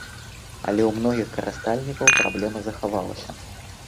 Але ў многіх карыстальнікаў праблема захавалася.